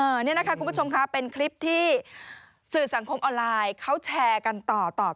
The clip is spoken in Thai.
นี่นะคะคุณผู้ชมค่ะเป็นคลิปที่สื่อสังคมออนไลน์เขาแชร์กันต่อต่อ